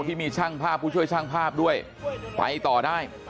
ที่มีช่างภาพผู้ช่วยช่างภาพด้วยไปต่อได้